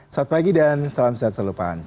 selamat pagi dan salam sehat selalu pak hans